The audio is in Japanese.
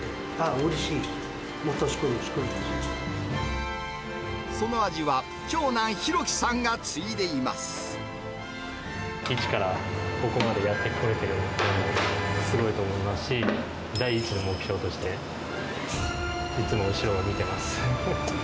うれしい、私、もっと作る、その味は長男、ひろきさんが一からここまでやってこれているので、すごいと思いますし、第一の目標として、いつも後ろを見てます。